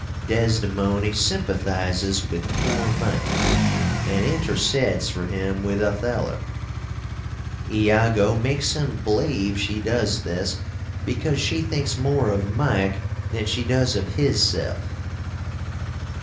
Desdemony sympathises with poor Mike & interceds for him with Otheller. Iago makes him bleeve she does this because she thinks more of Mike than she does of hisself.